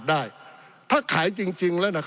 ปี๑เกณฑ์ทหารแสน๒